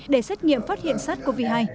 để xét nghiệm phát hiện sát covid hai